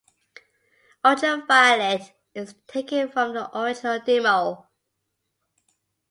"Ultraviolent" is taken from the original demo.